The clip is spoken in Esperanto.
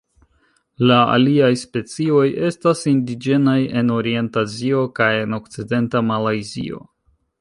La aliaj specioj estas indiĝenaj en Orient-Azio kaj en okcidenta Malajzio.